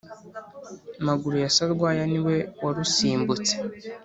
_Maguru ya Sarwaya ni we warusimbutse